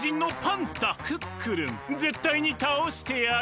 クックルンぜったいにたおしてやる！